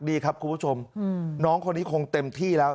ดีครับคุณผู้ชมน้องคนนี้คงเต็มที่แล้ว